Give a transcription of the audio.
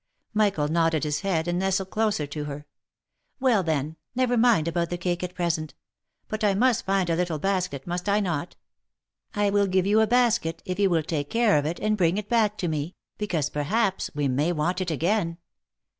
Michael nodded his head, and nestled closer to her. " Well, then, never mind about the cake at present ; but I must find a little basket, must I not ?— I will give you a basket if you will take care of it and bring it back to me, because perhaps we may want it again.